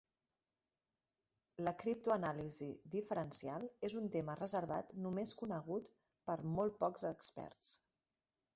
La criptoanàlisi diferencial és un tema reservat només conegut per molt pocs experts.